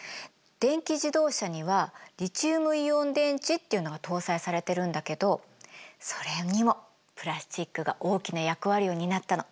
電気自動車にはリチウムイオン電池っていうのが搭載されてるんだけどそれにもプラスチックが大きな役割を担ったの。